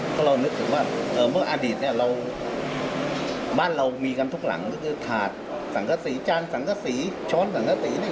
เพราะเรานึกถึงว่าเมื่ออดีตเนี่ยเราบ้านเรามีกันทุกหลังก็คือถาดสังกษีจานสังกษีช้อนสังกษีเนี่ย